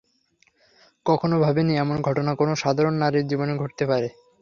কখনো ভাবিনি এমন ঘটনা কোন সাধারণ নারীর জীবনে ঘটতে পারে।